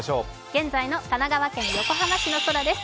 現在の神奈川県横浜市の空です。